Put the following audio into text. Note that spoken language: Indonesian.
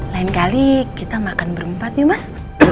lain kali kita makan berempat ya mas